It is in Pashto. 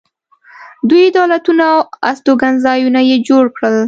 دوی دولتونه او استوګنځایونه یې جوړ کړل